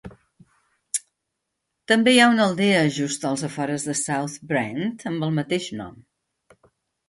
També hi ha una aldea just als afores de South Brent amb el mateix nom.